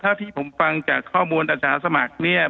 ถ้าพูดจากข้อมูลอาสาสมัครเนี่ย